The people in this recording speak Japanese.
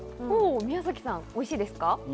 宮崎さん、おいしいですか？